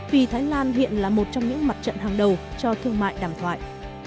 vì thái lan hiện là một trong những mặt trận hàng đầu cho thương mại đàm thoại